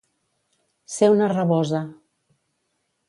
Ser una rabosa.